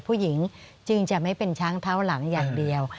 ผู้หญิงจึงจะไม่เป็นช้างเท้าหลังอย่างเดียว